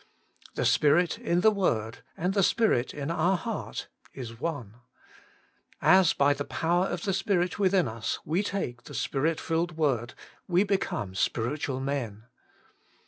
The Spirit in the word and the Spirit in our heart is One. As by the power of the Spirit within us we take the Spirit filled word we become spiritual men.